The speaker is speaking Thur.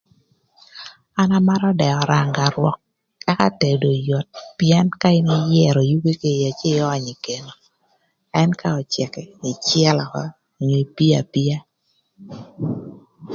An amarö dee öranga rwök ëka tedo yot pïën ka ïn ïyërö yugi kï ïë cë ïönyö ï keno ën ka öcëk ïcëlö ökö onyo ipio apia.